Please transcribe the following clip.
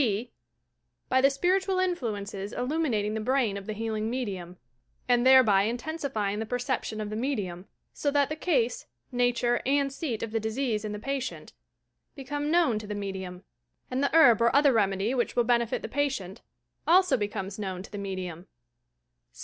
"(b) By the spiritual influences illuminating the brain of the healing medium, and thereby intensifying the perception of the medium so that the case, nature and seat of the disease in the patient become knowu to the SPIRITUAL HEALING 157 medium ; and the herb or other remedy which will benefit the patient also becomes known to the medium.